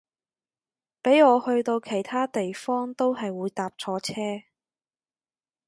俾我去到其他地方都係會搭錯車